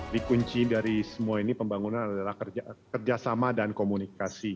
dikunci dari semua ini pembangunan adalah kerjasama dan komunikasi